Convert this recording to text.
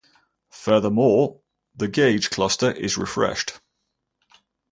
Furthermore, the gauge cluster is refreshed.